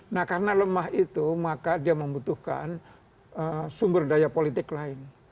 nah karena lemah itu maka dia membutuhkan sumber daya politik lain